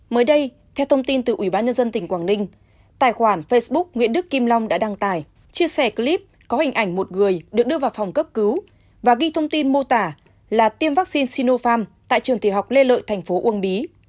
mới đây theo thông tin từ ubnd tỉnh quảng ninh tài khoản facebook nguyễn đức kim long đã đăng tải chia sẻ clip có hình ảnh một người được đưa vào phòng cấp cứu và ghi thông tin mô tả là tiêm vaccine sinopharm tại trường tiểu học lê lợi tp uông bí